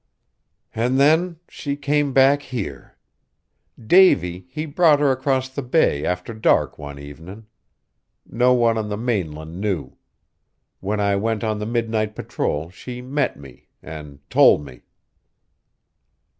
"An' then she came back here! Davy, he brought her across the bay after dark one evenin'. No one on the mainland knew. When I went on the midnight patrol she met me an' told me!"